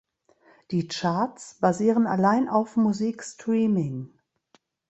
Die Charts basieren allein auf Musikstreaming.